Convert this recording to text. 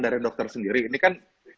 dari dokter sendiri ini kan